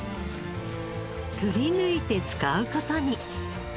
くりぬいて使う事に。